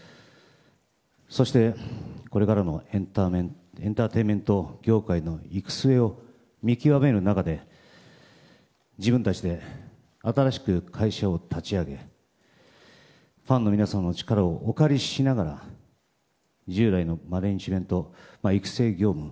そして、これからのエンターテインメント業界の行く末を見極める中で自分たちで新しく会社を立ち上げファンの皆様の力をお借りしながら従来のマネジメント、育成業務